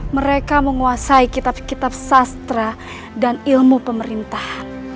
mereka menguasai kitab kitab sastra dan ilmu pemerintah